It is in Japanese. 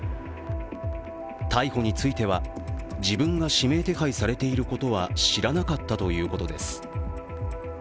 逮捕については、自分が指名手配されていることは知らなかったということです。